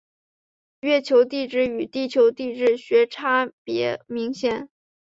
月球地质与地球地质学差别明显。